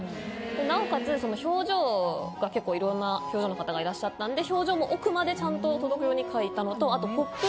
なおかつ表情が結構いろんな表情の方がいらっしゃったんで表情も奥までちゃんと届くように描いたのとあとＰＯＰ